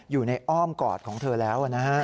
อยู่ในอ้อมกอดของเธอแล้วนะครับ